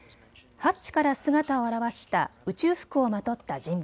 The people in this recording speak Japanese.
ハッチから姿を現した宇宙服をまとった人物。